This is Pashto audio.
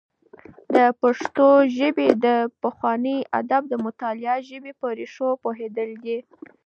د پښتو ژبې د پخواني ادب مطالعه د ژبې په ريښو پوهېدل دي.